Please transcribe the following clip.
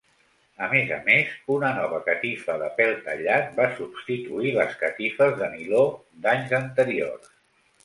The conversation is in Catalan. A més a més, una nova catifa de pel tallat va substituir les catifes de niló d'anys anteriors.